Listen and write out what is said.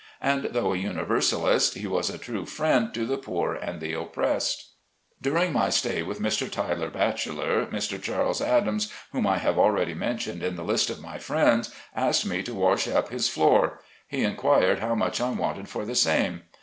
And though a Universalist, he was a true friend to the poor and the oppressed. During my stay with Mr. Tiler Batcheller, Mr. Charles Adams, whom I have already mentioned in the list of my friends, asked me to wash up his floor. He inquired how much I wanted for the same.